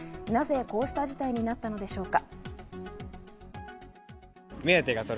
なぜこうした事態になったのでしょうか。